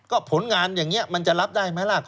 ก็ผลงานอย่างนี้มันจะรับได้ไหมล่ะ